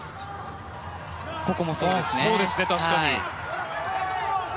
ここもそうでしたね。